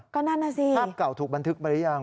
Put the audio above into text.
ก็นั่นน่ะสิภาพเก่าถูกบันทึกมาหรือยัง